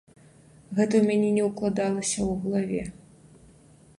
Гэта ў мяне не ўкладалася ў галаве.